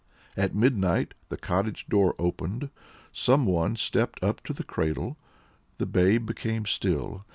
At midnight the cottage door opened. Some one stepped up to the cradle. The babe became still.